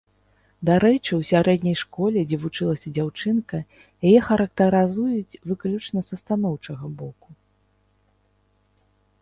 Дарэчы, у сярэдняй школе, дзе вучылася дзяўчынка, яе характарызуюць выключна са станоўчага боку.